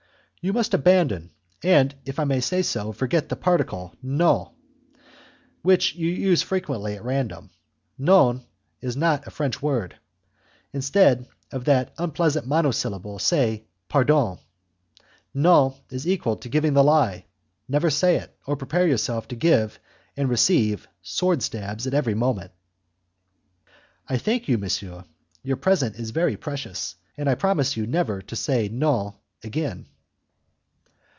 "You must abandon, and, if I may say so, forget, the particle 'non', which you use frequently at random. 'Non' is not a French word; instead of that unpleasant monosyllable, say, 'Pardon'. 'Non' is equal to giving the lie: never say it, or prepare yourself to give and to receive sword stabs every moment." "I thank you, monsieur, your present is very precious, and I promise you never to say non again."